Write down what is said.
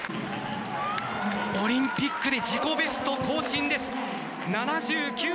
オリンピックで自己ベスト更新です。